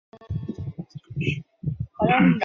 许多市民也到这里来野炊烧烤。